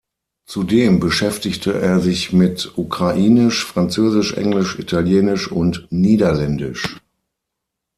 Zudem beschäftigte er sich mit Ukrainisch, Französisch, Englisch, Italienisch und Niederländisch.